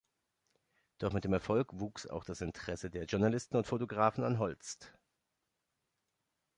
Doch mit dem Erfolg wuchs auch das Interesse der Journalisten und Fotografen an Holst.